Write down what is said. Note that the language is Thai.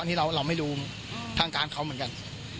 อันนี้เราไม่รู้ทางการเขาเหมือนกัน